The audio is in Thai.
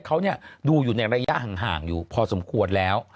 เขาดูอยู่ในระยะห่างอยู่พอสมควรแล้ว